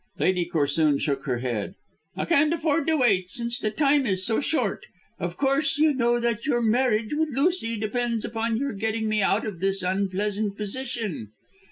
Lady Corsoon shook her head. "I can't afford to wait, since the time is so short. Of course, you know that your marriage with Lucy depends upon your getting me out of this unpleasant position?"